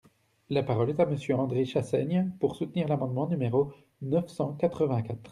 La parole est à Monsieur André Chassaigne, pour soutenir l’amendement numéro neuf cent quatre-vingt-quatre.